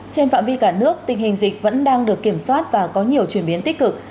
trên phạm vi cả nước tình hình dịch vẫn đang được kiểm soát và có nhiều chuyển biến tích cực